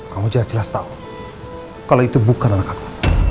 kamu jelas jelas tahu kalau itu bukan anak aku